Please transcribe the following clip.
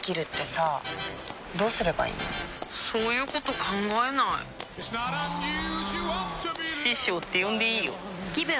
そういうこと考えないあ師匠って呼んでいいよぷ